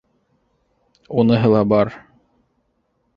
— Уныһы ла бар.